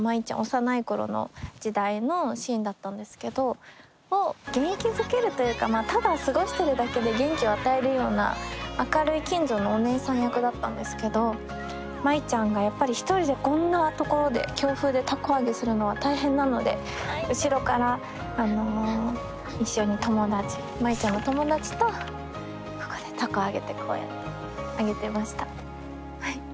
幼い頃の時代のシーンだったんですけど元気づけるというかただ過ごしてるだけで元気を与えるような明るい近所のおねえさん役だったんですけど舞ちゃんがやっぱり一人でこんな所で強風で凧揚げするのは大変なので後ろから一緒に舞ちゃんの友達とここで凧揚げてこうやって揚げてました。